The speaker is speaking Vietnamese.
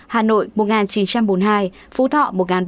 hà nội một chín trăm bốn mươi hai phú thọ một ba trăm tám mươi bốn